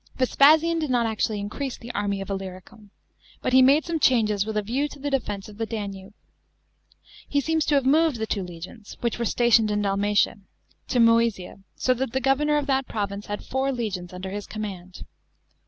§ 12. Vespasian did not actually increase the army of Illyricum, but he made some changes with a view to the defence of the Danube. He seems to have moved the two legions, which were stationed in Dalmatia, to Mcesia, so that the governor of that pro vince had four legions under his command.